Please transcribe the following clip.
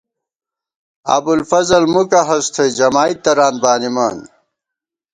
ابُوالفضل مُکہ ہست تھوئی جمائید تران بانِمان